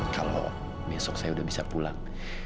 kalau besok saya sudah bisa pulang